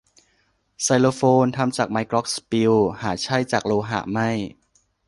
ไซโลโฟน ทำจากไม้กล็อคสปีล หาใช่จากโลหะไม่